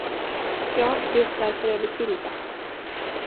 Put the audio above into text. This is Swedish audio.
Ja, just därför är vi skilda.